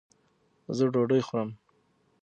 زۀ ډوډۍ خورم